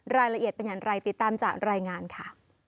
รายละเอียดเป็นอย่างไรติดตามจากรายงานค่ะ